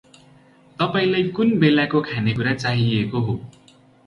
तपाइलाइ कुन बेलाको खानेकुरा चाहिएको हो?